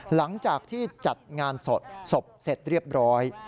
หลังจากที่จัดงานศพศพเสร็จเรียบร้อย